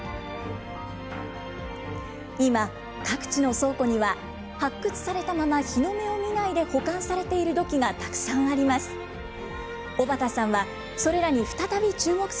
今、各地の倉庫には、発掘されたまま、日の目を見ないで保管されている土器がたくさんあります。